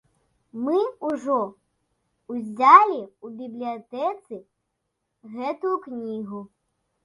Мы ўжо ўзялі ў бібліятэцы гэтую кнігу.